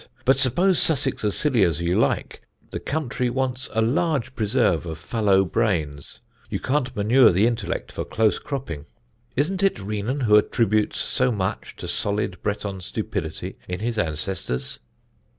But suppose Sussex as silly as you like, the country wants a large preserve of fallow brains; you can't manure the intellect for close cropping. Isn't it Renan who attributes so much to solid Breton stupidity in his ancestors?"